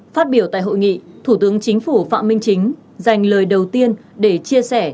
phát biểu tại hội nghị thủ tướng chính phủ phạm minh chính dành lời đầu tiên để chia sẻ